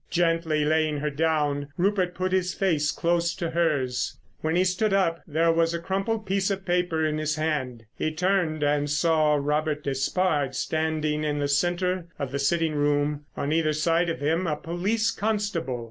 Gently laying her down, Rupert put his face close to hers. When he stood up there was a crumpled piece of paper in his hand. He turned and saw Robert Despard standing in the centre of the sitting room, on either side of him a police constable.